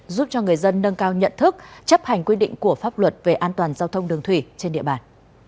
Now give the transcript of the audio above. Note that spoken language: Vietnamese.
giúp cho người dân nâng cao nhận thức chấp hành quy định của pháp luật về an toàn giao thông đường thủy trên địa bàn